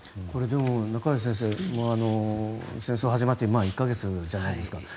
これ、中林先生戦争が始まって１か月じゃないですか。